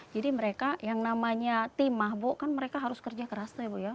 mereka yang namanya timah bu kan mereka harus kerja keras ya bu ya